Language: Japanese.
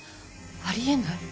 ありえない。